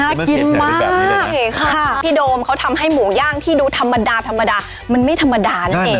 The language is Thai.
กินมากนี่ค่ะพี่โดมเขาทำให้หมูย่างที่ดูธรรมดาธรรมดามันไม่ธรรมดานั่นเอง